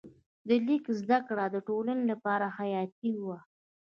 د لیک زده کړه د ټولنې لپاره حیاتي وه.